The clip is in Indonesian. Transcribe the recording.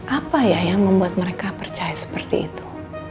apa ya yang membuat mereka percaya seperti itu